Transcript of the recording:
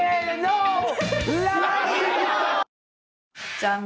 じゃん